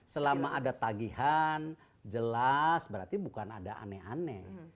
selama ada tagihan jelas berarti bukan ada aneh aneh